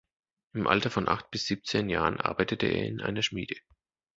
Im Alter von acht bis von siebzehn Jahren arbeitete er in einer Schmiede.